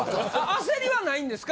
焦りはないんですか？